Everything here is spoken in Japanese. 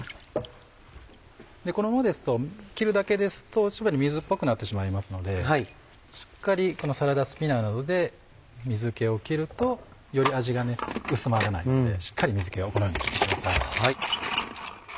このまま切るだけですとすぐに水っぽくなってしまいますのでしっかりサラダスピナーなどで水気を切るとより味が薄まらないのでしっかり水気をこのように切ってください。